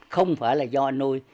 không phải là do anh nuôi